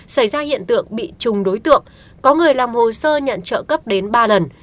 xảy ra hiện tượng bị trùng đối tượng có người làm hồ sơ nhận trợ cấp đến ba lần